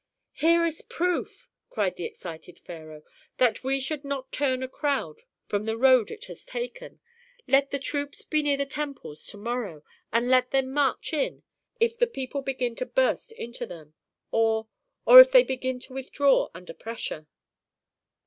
"Here is proof," cried the excited pharaoh, "that we should not turn a crowd from the road it has taken. Let the troops be near the temples to morrow, and let them march in if the people begin to burst into them, or or if they begin to withdraw under pressure.